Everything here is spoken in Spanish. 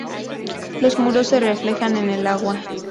Los muros se reflejan en el agua.